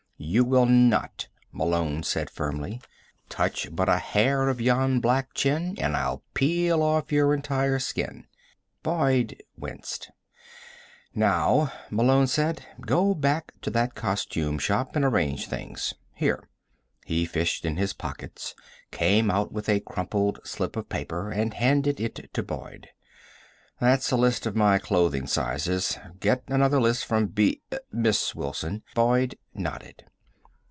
"You will not," Malone said firmly. "Touch but a hair of yon black chin, and I'll peel off your entire skin." Boyd winced. "Now," Malone said, "go back to that costume shop and arrange things. Here." He fished in his pockets, came out with a crumpled slip of paper and handed it to Boyd. "That's a list of my clothing sizes. Get another list from B ... Miss Wilson." Boyd nodded.